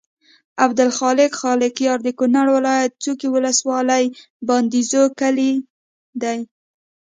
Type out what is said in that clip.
عبدالخالق خالقیار د کونړ ولایت څوکۍ ولسوالۍ بادینزو کلي دی.